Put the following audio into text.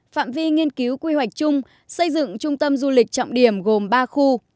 phạm vi nghiên cứu quy hoạch chung xây dựng trung tâm du lịch trọng điểm gồm ba khu